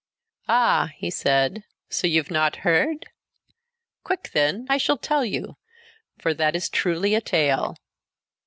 "Ah!" he said, "So you've not heard? Quick, then, I shall tell you, for that is truly a tale."